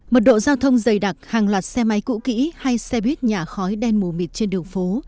mật độ giao thông dày đặc hàng loạt xe máy cũ kỹ hay xe buýt nhả khói đen mù mịt trên đường phố